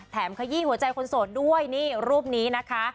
ขยี้หัวใจคนโสดด้วยนี่รูปนี้นะคะ